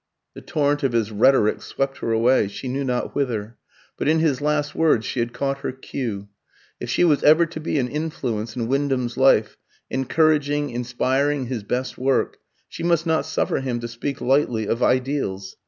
The torrent of his rhetoric swept her away, she knew not whither. But in his last words she had caught her cue. If she was ever to be an influence in Wyndham's life, encouraging, inspiring his best work, she must not suffer him to speak lightly of "ideals."